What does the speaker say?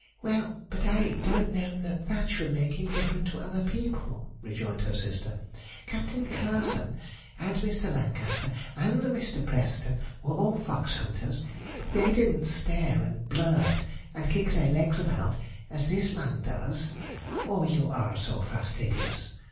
'Well, but I don't know that that should make him different to other people,' rejoined her sister. 'Captain Curzon, and Mr. Lancaster, and Mr. Preston, were all fox hunters; but they didn't stare, and blurt, and kick their legs about, as this man does.' 'Oh, you are so fastidious!'